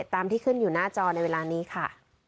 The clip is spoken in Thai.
ตามที่ขึ้นอยู่หน้าจอในเวลานี้ค่ะ